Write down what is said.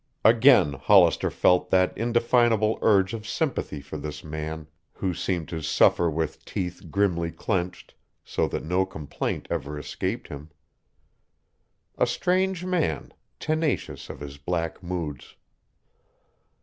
Again Hollister felt that indefinable urge of sympathy for this man who seemed to suffer with teeth grimly clenched, so that no complaint ever escaped him. A strange man, tenacious of his black moods.